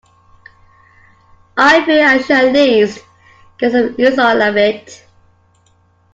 I feel I should at least get some use out of it.